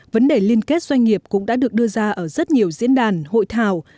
vấn đề liên kết doanh nghiệp cũng đã được đưa ra ở rất nhiều diễn đàn hội thảo